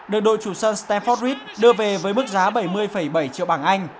được đội chủ sân stamford rees đưa về với mức giá bảy mươi bảy triệu bảng anh